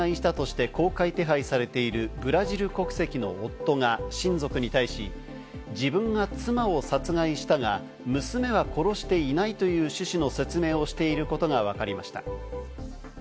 大阪府堺市で妻と娘を殺害したとして公開手配されているブラジル国籍の夫が親族に対し、自分が妻を殺害したが、娘は殺していないという趣旨の説明をしていることがわかりました。